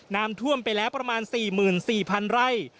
น้ำท่วมไปแล้วประมาณ๔๔๐๐๐ไร่